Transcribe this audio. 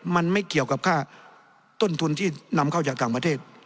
มันไม่เกี่ยวกับค่าต้นทุนที่นำเข้าจากต่างประเทศ